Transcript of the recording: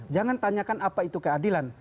jangan tanyakan apa itu keadilan